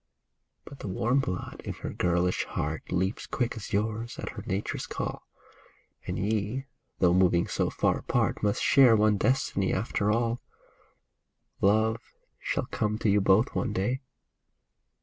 But the warm blood in her girlish heart Leaps quick as yours at her nature's call. And ye, though moving so far apart, Mifst share one destiny after all. Love shall come to you both one day.